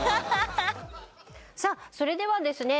それではですね